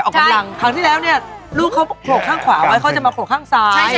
กำลังครั้งที่แล้วเนี่ยลูกเขาโผล่ข้างขวาไว้เขาจะมาโผล่ข้างซ้าย